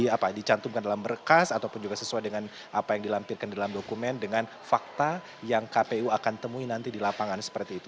apa dicantumkan dalam berkas ataupun juga sesuai dengan apa yang dilampirkan dalam dokumen dengan fakta yang kpu akan temui nanti di lapangan seperti itu